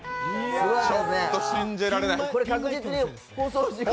ちょっと信じられない。